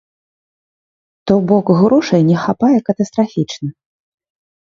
То бок, грошай не хапае катастрафічна.